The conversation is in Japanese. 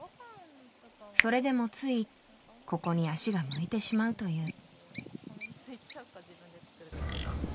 それでもついここに足が向いてしまうという。